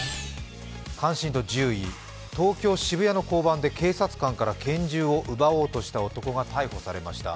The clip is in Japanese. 関心度１０位、東京・渋谷の交番で警察官から拳銃を奪おうとした男が逮捕されました。